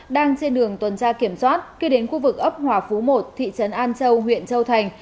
đang trên đường tuần tra kiểm soát khi đến khu vực ấp hòa phú một thị trấn an châu huyện châu thành